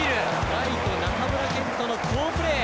ライト中村健人の好プレー。